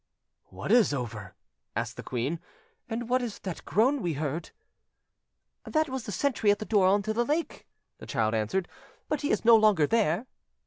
"What is over?" asked the queen; "and what is that groan we heard?" "There was a sentry at the door on to the lake," the child answered, "but he is no longer there."